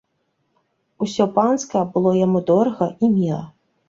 Усё панскае было яму дорага і міла.